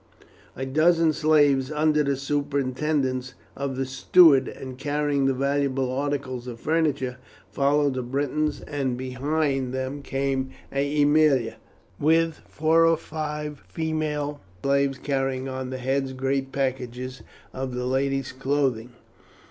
A dozen slaves under the superintendence of the steward, and carrying valuable articles of furniture, followed the Britons, and behind them came Aemilia, with four or five female slaves carrying on their heads great packages of the ladies' clothing.